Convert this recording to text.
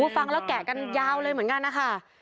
ฟังแล้วแกะกันยาวเลยเหมือนกันนะคะ